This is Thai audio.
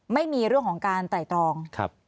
ไม่มีเรื่องของการไตรตรอง